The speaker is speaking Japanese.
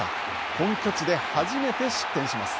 本拠地で初めて失点します。